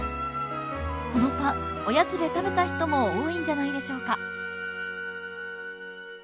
このパンおやつで食べた人も多いんじゃないでしょうか？